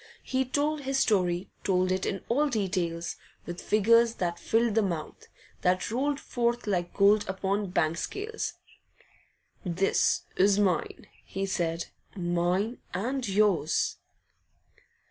And he told his story, told it in all details, with figures that filled the mouth, that rolled forth like gold upon the bank scales. 'This is mine,' he said, 'mine and yours.